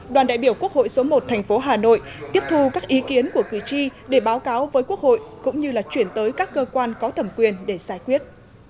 đoàn đại biểu quốc hội số một thành phố hà nội tiếp thu các ý kiến của cử tri để báo cáo với quốc hội cũng như là chuyển tới các cơ quan có thẩm quyền để giải quyết